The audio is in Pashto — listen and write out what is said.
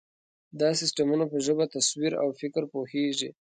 دا سیسټمونه په ژبه، تصویر، او فکر پوهېږي.